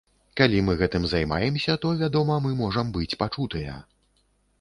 Калі мы гэтым займаемся, то вядома мы можам быць пачутыя.